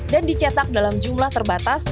dan dicetak dalam jumlah terbatas